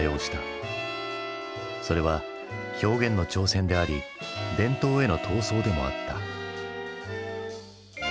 それは表現の挑戦であり伝統への闘争でもあった。